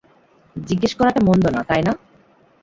জিজ্ঞেস করাটা মন্দ না, তাই না?